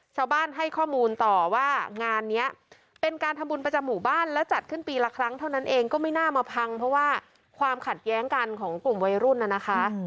ชาวบ้านให้ข้อมูลต่อว่างานนี้เป็นการทำบุญประจำหมู่บ้านแล้วจัดขึ้นปีละครั้งเท่านั้นเองก็ไม่น่ามาพังเพราะว่าความขัดแย้งกันของกลุ่มวัยรุ่นน่ะนะคะ